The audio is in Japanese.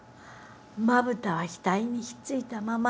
まぶたは額にひっついたまま。